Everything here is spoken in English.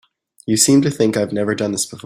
You seem to think I've never done this before.